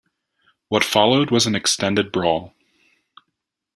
What followed was an extended brawl.